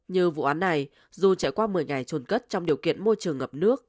như vụ án này dù trải qua một mươi ngày trồn cất trong điều kiện môi trường ngập nước